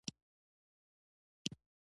نورستان د افغانستان د ځایي اقتصادونو بنسټ دی.